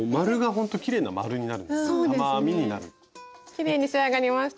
きれいに仕上がりました。